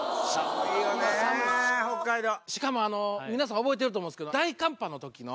しかも皆さん覚えてると思うんですけど大寒波のときの。